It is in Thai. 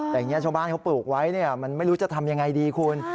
แต่อย่างนี้ชาวบ้านเขาปลูกไว้มันไม่รู้จะทำยังไงดีคุณ